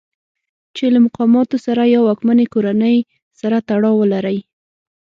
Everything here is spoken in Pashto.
چې له مقاماتو سره یا واکمنې کورنۍ سره تړاو ولرئ.